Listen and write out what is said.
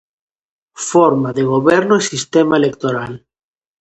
Forma de goberno e sistema electoral.